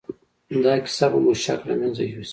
دا کيسه به مو شک له منځه يوسي.